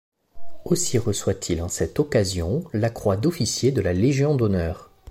Aussi reçoit-il en cette occasion la croix d'officier de la Légion d'honneur.